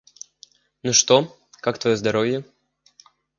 Ну, что, как твое здоровье?